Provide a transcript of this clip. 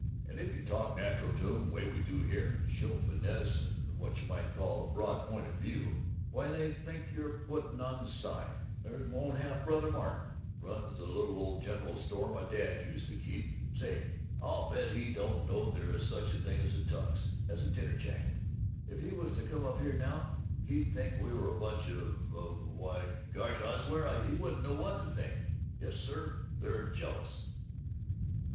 And if you talk natural to 'em, way we do here, and show finesse and what you might call a broad point of view, why, they think you're putting on side. There's my own half brother Martin runs the little ole general store my Dad used to keep. Say, I'll bet he don't know there is such a thing as a Tux as a dinner jacket. If he was to come in here now, he'd think we were a bunch of of Why, gosh, I swear, he wouldn't know what to think! Yes, sir, they're jealous!"